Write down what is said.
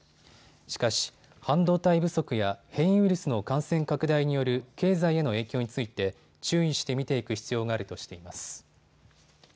しかし半導体不足や変異ウイルスの感染拡大による経済への影響について注意して見ていく必要があるとしています。